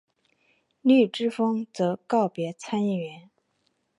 绿之风则告别参议院。